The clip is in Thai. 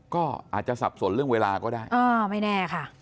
ก็อาจจะสับสนเรื่องเวลาก็ได้ไม่แน่ค่ะ